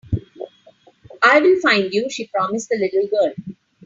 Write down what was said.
"I will find you.", she promised the little girl.